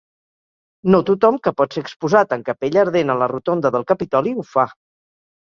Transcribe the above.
No tothom que pot ser exposat en capella ardent a la Rotonda del Capitoli ho fa.